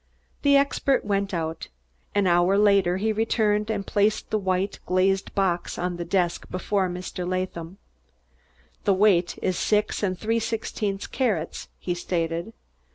The expert went out. An hour later he returned and placed the white, glazed box on the desk before Mr. Latham. "The weight is six and three sixteenths carats," he stated.